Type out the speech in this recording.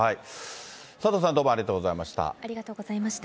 佐藤さん、どうもありがとうござありがとうございました。